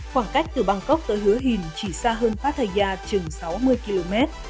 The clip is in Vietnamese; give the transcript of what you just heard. khoảng cách từ bangkok tới hứa hìn chỉ xa hơn pattaya chừng sáu mươi km